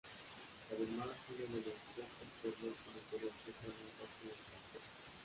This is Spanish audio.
Además, fue uno de los pocos pueblos que el imperio azteca nunca pudo someter.